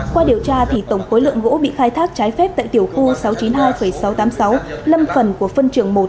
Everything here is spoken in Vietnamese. qua điều tra thì tổng khối lượng gỗ bị khai thác trái phép tại tiểu khu sáu trăm chín mươi hai sáu trăm tám mươi sáu lâm phần của phân trường một